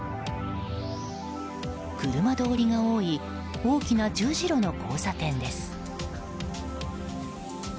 車通りが多い大きな十字路の交差点です。